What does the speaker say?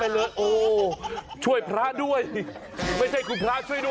ไม่น่าบาปเพราะว่าขำทุกคนเลยตอนนี้